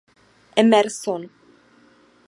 Emerson.